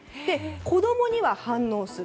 子供には反応する。